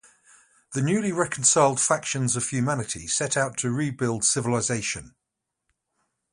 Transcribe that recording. The newly reconciled factions of humanity set out to rebuild civilization.